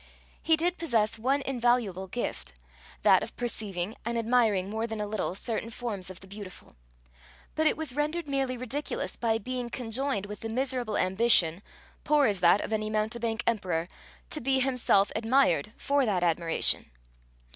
He did possess one invaluable gift that of perceiving and admiring more than a little, certain forms of the beautiful; but it was rendered merely ridiculous by being conjoined with the miserable ambition poor as that of any mountebank emperor to be himself admired for that admiration.